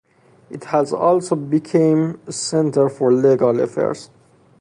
It also became a center for legal affairs.